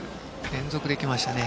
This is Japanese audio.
連続で来ましたね。